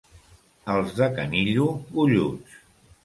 Els de Canillo, golluts.